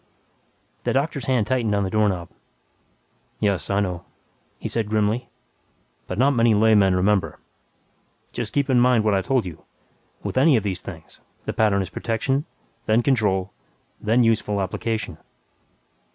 The doctor's hand tightened on the doorknob. "Yes, I know," he said grimly, "but not many laymen remember. Just keep in mind what I told you. With any of these things, the pattern is protection, then control, then useful application."